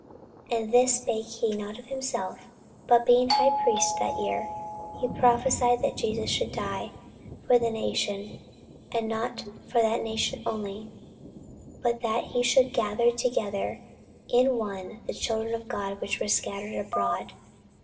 And this spake he not of himself: but being high priest that year, he prophesied that Jesus should die for that nation; and not for that nation only, but that also he should gather together in one the children of God that were scattered abroad.